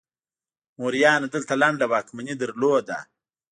موریانو دلته لنډه واکمني درلوده